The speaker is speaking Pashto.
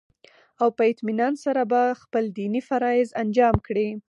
او په اطمينان سره به خپل ديني فرايض انجام كړي